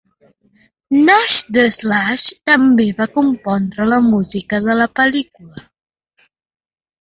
Nash the Slash també va compondre la música de la pel·lícula.